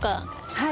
はい。